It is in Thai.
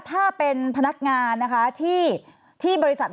ทางประกันสังคมก็จะสามารถเข้าไปช่วยจ่ายเงินสมทบให้๖๒